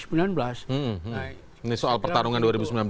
nah ini soal pertarungan dua ribu sembilan belas